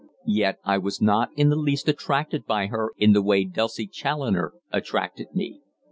Yet I was not in the least attracted by her in the way Dulcie Challoner attracted me.